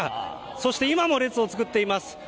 そして今も列を作っています。